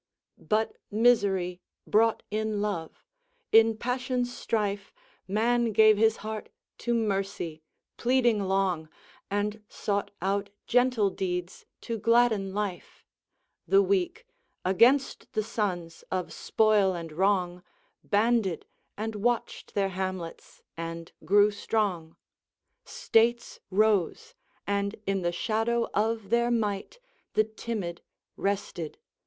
XI. But misery brought in love; in passion's strife Man gave his heart to mercy, pleading long, And sought out gentle deeds to gladden life; The weak, against the sons of spoil and wrong, Banded, and watched their hamlets, and grew strong; States rose, and, in the shadow of their might, The timid rested.